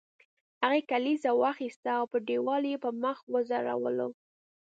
هغې کلیزه واخیسته او په دیوال یې په میخ وځړوله